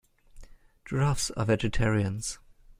Giraffes are vegetarians.